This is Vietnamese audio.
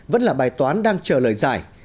vẫn là bài toán đang chờ lời giải